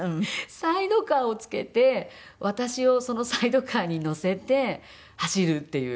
サイドカーを付けて私をそのサイドカーに乗せて走るっていう。